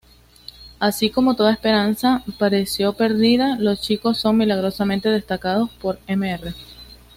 Así como toda esperanza pareció perdida, los chicos son milagrosamente rescatados por Mr.